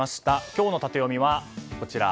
今日のタテヨミはこちら。